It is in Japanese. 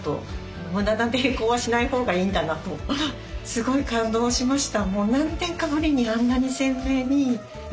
すごい感動しました。